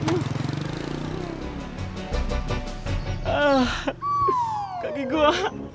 ah kaki gua